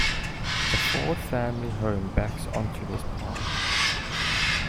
The Ford family home backs onto this park.